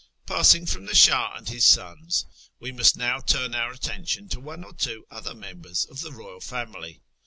Passing from the Shah and his sons, we must now turn our attention to one or two other members of the royal family.